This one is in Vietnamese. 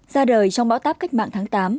ra đời trong bão táp cách mạng tháng tám